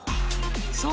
［そう。